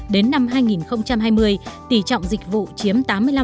đến năm hai nghìn hai mươi tỷ trọng dịch vụ chiếm tám mươi năm